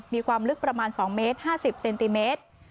มีความลึกประมาณ๒เมตร๕๐เซนติเมตร